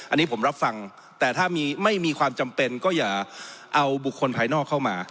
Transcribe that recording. อันนี้ผมรับฟังแต่ถ้าไม่มีความจำเป็นก็อย่าเอาบุคคลภายนอกเข้ามา